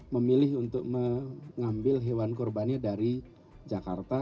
memilih untuk mengambil hewan kurbannya dari jakarta